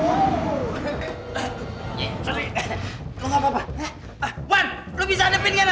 dari kelihatan seperti ini